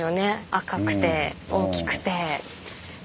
赤くて大きくて。